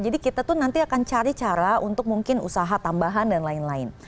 jadi kita tuh nanti akan cari cara untuk mungkin usaha tambahan dan lain lain